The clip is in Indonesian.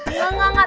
enggak enggak enggak